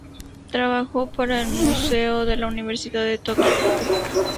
Trabajo para el Museo de la Universidad de Tokio.